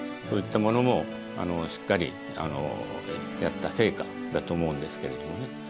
そういったものもしっかりやった成果だと思うんですけれどもね。